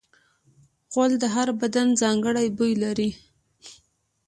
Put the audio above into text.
غول د هر بدن ځانګړی بوی لري.